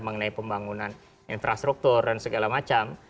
mengenai pembangunan infrastruktur dan segala macam